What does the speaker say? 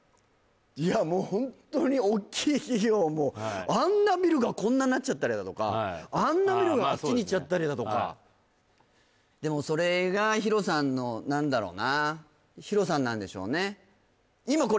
いやもうホントにおっきい企業もあんなビルがこんななっちゃったりだとかあんなビルがあっちにいっちゃったりだとかでもそれがＨＩＲＯさんの何だろうなＨＩＲＯさんなんでしょうね